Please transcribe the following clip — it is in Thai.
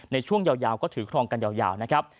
ในช่วงยาวก็ถือครองกันยาว